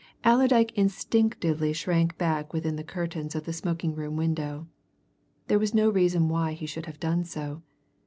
Allerdyke instinctively shrank back within the curtains of the smoking room window. There was no reason why he should have done so.